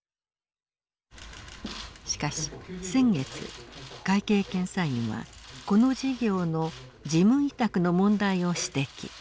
しかし先月会計検査院はこの事業の事務委託の問題を指摘。